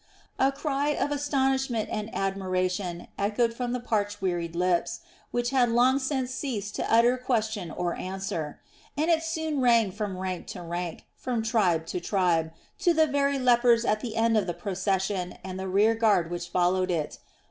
A cry of astonishment and admiration echoed from the parched weary lips, which had long since ceased to utter question or answer; and it soon rang from rank to rank, from tribe to tribe, to the very lepers at the end of the procession and the rear guard which followed it.